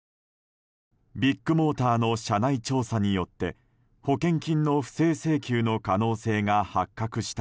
ビッグモーターの社内調査によって保険金の不正請求の可能性が発覚した